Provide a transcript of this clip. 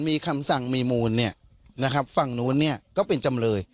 มีคำสั่งมีมูลเนี่ยฟังตรงนู้นก็เป็นจำเลย